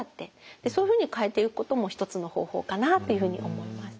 そういうふうに変えていくことも一つの方法かなっていうふうに思います。